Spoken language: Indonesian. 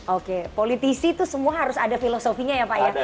oke politisi itu semua harus ada filosofinya ya pak ya